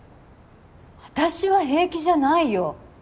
私は平気じゃないよ。